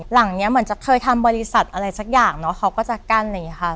หลังเนี้ยเหมือนจะเคยทำบริษัทอะไรสักอย่างเนอะเขาก็จะกั้นอะไรอย่างนี้ค่ะ